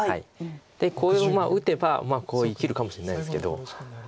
でこう打てば生きるかもしれないですけど。